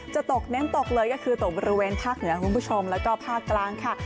จะตกเน้นตกเลยก็คือตกบริเวณภาคเหนือคุณผู้ชมแล้วก็ภาคกลางค่ะ